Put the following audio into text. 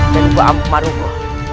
dan ibu nda maruko